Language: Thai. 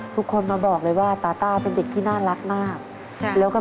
ทุกคนมาบอกเลยว่าตาต้าเป็นเด็กที่น่ารักมากแล้วก็